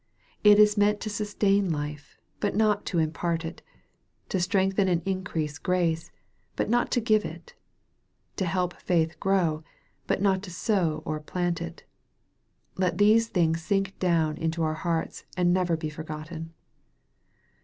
It is meant to sus tain life, but not to impart it 'to strengthen and increase grace, but not to give it to help faith to grow, but not to sow or plant it. Let these things sink down into our hearts, and never be forgotten.